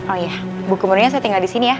oh iya buku muridnya saya tinggal disini ya